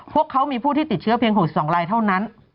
พวกเขามีผู้ที่ติดเชื้อเพียง๖๒ลายเท่านั้น